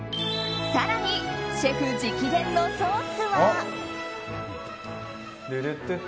更に、シェフ直伝のソースは。